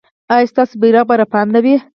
ایا ستاسو بیرغ به رپانده وي؟